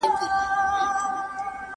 پوهانو د سياست پوهني نوي اصول وټاکل.